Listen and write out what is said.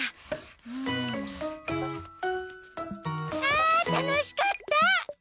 あたのしかった！